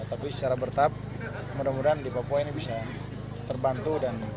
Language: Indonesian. tapi secara bertahap mudah mudahan di papua ini bisa terbantu